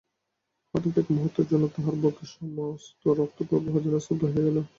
হঠাৎ এক মুহূর্তের জন্য তাহার বক্ষে সমস্ত রক্তপ্রবাহ যেন স্তব্ধ হইয়া গেল।